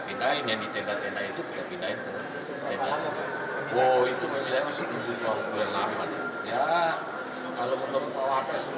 paling cepat gitu